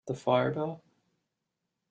The fire bell?